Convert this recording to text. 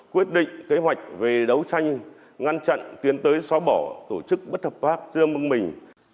quyết định kế hoạch về đấu tranh ngăn chặn tiến tới xóa bỏ tổ chức bất hợp pháp dương mưng mình